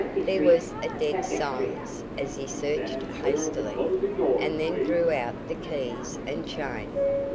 There was a dead silence as he searched hastily, and then drew out the keys and chain.